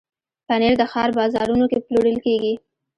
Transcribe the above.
پنېر د ښار بازارونو کې پلورل کېږي.